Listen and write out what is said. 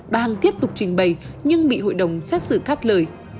bà hằng tiếp tục trình bày nhưng bị hội đồng xét xử khát lời